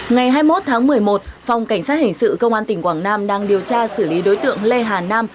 ngày hai mươi một tháng một mươi một phòng cảnh sát hình sự công an tỉnh quảng nam đang điều tra xử lý đối tượng lê hà nam